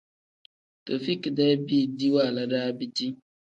Taufik-dee biidi waala daa biti.